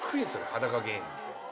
裸芸人って。